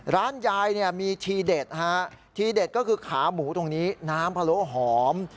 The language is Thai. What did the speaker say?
ร้านยายเนี่ยมีทีเด็ดฮะทีเด็ดก็คือขาหมูตรงนี้น้ำพะโลหอม